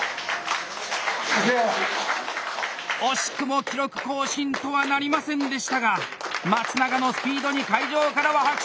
惜しくも記録更新とはなりませんでしたが松永のスピードに会場からは拍手！